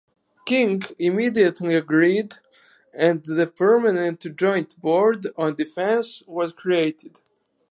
King immediately agreed, and the Permanent Joint Board on Defense was created.